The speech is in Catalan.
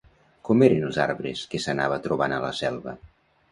Com eren els arbres que s'anava trobant a la selva?